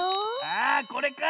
あこれか！